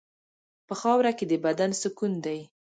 په خاوره کې د بدن سکون دی.